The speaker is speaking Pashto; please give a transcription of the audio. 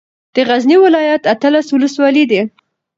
د غزني ولايت اتلس ولسوالۍ دي